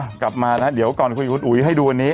อะกลับมาแหนะเดี๋ยวก่อนคุณอุ๊ยให้ดูวันนี้